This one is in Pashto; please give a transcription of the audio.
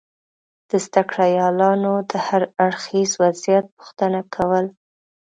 د زده کړیالانو دهر اړخیز وضعیت پوښتنه کول